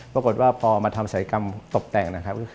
ปรากฏว่าพอมาทำศัยกรรมตบแต่งนะครับ